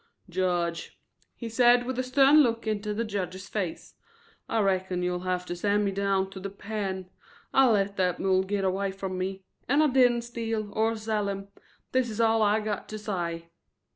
"Jedge," he said, with a stern look into the judge's face, "I reckon you'll have to send me down to the pen. I let that mule git away from me and I didn't steal or sell him; that is all I got to say."